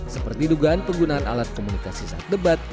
seperti dugaan penggunaan alat komunikasi saat debat